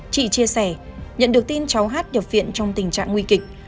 chị chia sẻ nhận được tin cháu hát nhập viện trong tình trạng nguy kịch